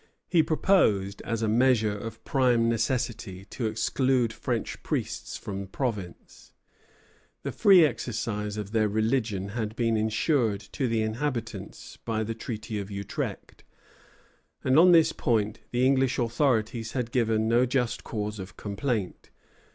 He proposed, as a measure of prime necessity, to exclude French priests from the province. The free exercise of their religion had been insured to the inhabitants by the Treaty of Utrecht, and on this point the English authorities had given no just cause of complaint.